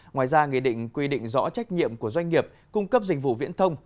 ngoài ra nghị định quy định rõ trách nhiệm của doanh nghiệp cung cấp dịch vụ viễn thông